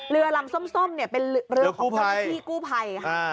เรือลำส้มเป็นเรือของพี่กู้ไพ่